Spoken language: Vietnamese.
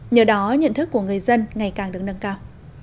nhờ đó nhận thức của người dân ngày càng đứng nâng cao